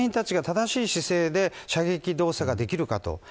隊員たちが正しい姿勢で射撃動作ができるかと。